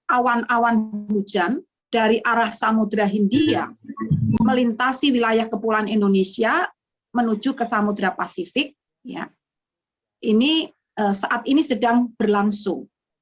awan awan hujan dari arah samudera hindia melintasi wilayah kepulauan indonesia menuju ke samudera pasifik ini saat ini sedang berlangsung